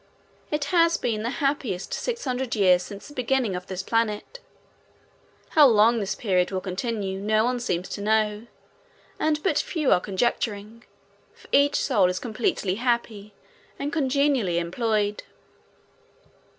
It has been the happiest six hundred years since the beginning of this planet. How long this period will continue no one seems to know, and but few are conjecturing, for each soul is completely happy and congenially employed.